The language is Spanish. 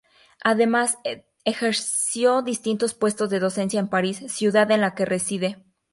Además, ejerció distintos puestos de docencia en París, ciudad en la que reside.